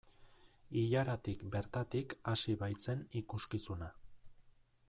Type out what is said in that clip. Ilaratik bertatik hasi baitzen ikuskizuna.